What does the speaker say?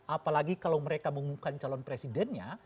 apalagi kalau mereka mengumumkan calon presidennya